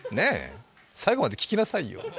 最後まで聞きなさいよ。